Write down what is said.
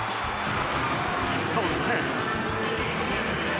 そして。